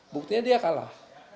buktinya dia kalah